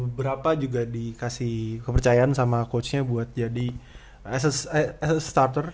beberapa juga dikasih kepercayaan sama coachnya buat jadi as a starter